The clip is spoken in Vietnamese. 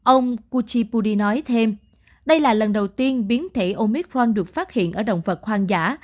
ông kuchipudi nói thêm đây là lần đầu tiên biến thể omicron được phát hiện ở động vật hoang dã